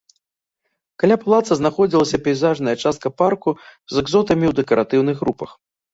Каля палаца знаходзілася пейзажная частка парку з экзотамі ў дэкаратыўных групах.